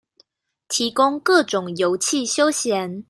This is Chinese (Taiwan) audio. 提供各種遊憩休閒